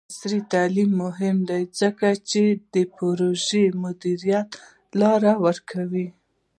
عصري تعلیم مهم دی ځکه چې د پروژې مدیریت لارې ورکوي.